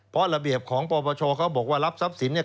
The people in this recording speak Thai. เพราะระเบียบของปปชเขาบอกว่ารับทรัพย์สินเนี่ย